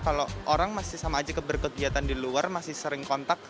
kalau orang masih sama aja berkegiatan di luar masih sering kontak